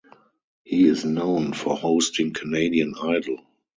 He is known for hosting "Canadian Idol".